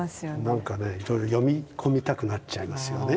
なんかね読み込みたくなっちゃいますよね。